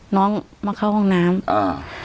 น้องมาเข้าห้องน้ำอ่า